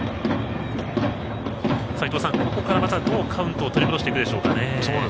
伊東さん、ここからはどうカウントを取り戻してくるでしょうかね。